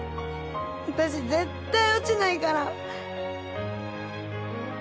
私絶対落ちないから！